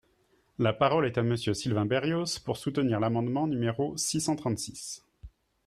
La parole est à Monsieur Sylvain Berrios, pour soutenir l’amendement numéro six cent trente-six.